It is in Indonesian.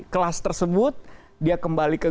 kelas tersebut dia kembali ke